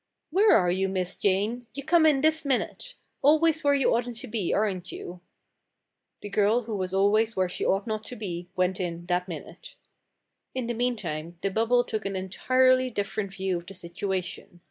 "Where are you, Miss Jane? You come in this minute! Always where you oughtn't to be, aren't you?" The girl who was always where she ought not to be went in that minute. In the meantime the bubble took an entirely differ ent view of the situation.